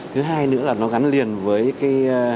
thứ hai nữa là nó gắn liền với